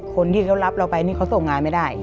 คนที่เขารับเราไปนี่เขาส่งงานไม่ได้